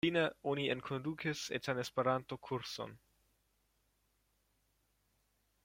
Fine oni enkondukis etan Esperanto kurson.